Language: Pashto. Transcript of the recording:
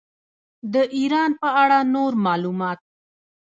د ایران په اړه نور معلومات.